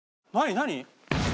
何？